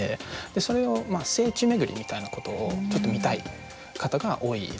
それを聖地巡りみたいなことをちょっと見たい方が多いです。